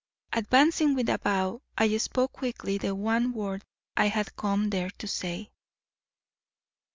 Advancing with a bow, I spoke quickly the one word I had come there to say.